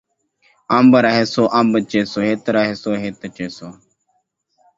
امب رہیسو، امب چیسو، اک رہیسو، اک چیسو